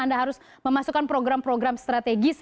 anda harus memasukkan program program strategis